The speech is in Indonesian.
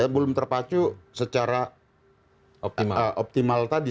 belum terpacu secara optimal tadi